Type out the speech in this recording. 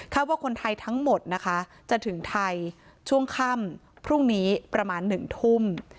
ว่าคนไทยทั้งหมดนะคะจะถึงไทยช่วงค่ำพรุ่งนี้ประมาณ๑ทุ่ม